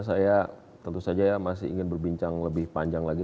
saya tentu saja ya masih ingin berbincang lebih panjang lagi